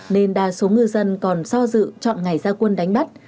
nên đa số ngư dân còn so dự chọn ngày gia quân đánh bắt